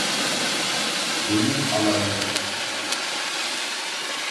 Benim alanım.